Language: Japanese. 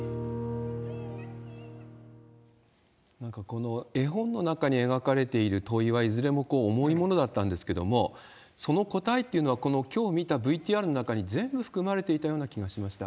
なんかこの絵本の中に描かれている問いは、いずれも重いものだったんですけれども、その答えっていうのは、今日見たＶＴＲの中に全部含まれていたような気がしました。